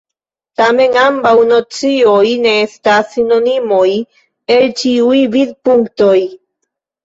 Tamen, ambaŭ nocioj ne estas sinonimoj el ĉiuj vidpunktoj.